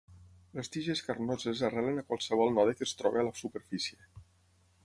Les tiges carnoses arrelen a qualsevol node que es trobi a la superfície.